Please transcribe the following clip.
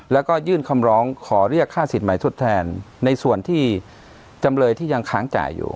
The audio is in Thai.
แล้วก็ยื่นคำร้องขอเรียกค่าสินใหม่ทดแทนในส่วนที่จำเลยที่ยังค้างจ่ายอยู่